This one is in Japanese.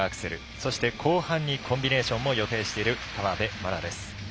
そして後半にコンビネーションも予定している河辺愛菜です。